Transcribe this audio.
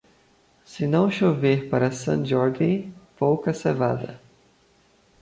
Se não chover para Sant Jordi, pouca cevada.